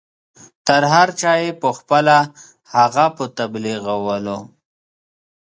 تر هر چا یې پخپله هغه په تبلیغولو.